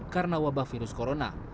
karena wabah virus corona